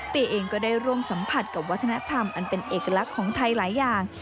ปีเองก็ได้ร่วมสัมผัสกับวัฒนธรรมอันเป็นเอกลักษณ์ของไทยหลายอย่าง